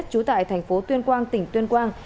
chú tại thành phố tuyên quang tỉnh tuyên quang